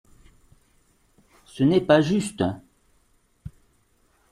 Ce n’est pas juste.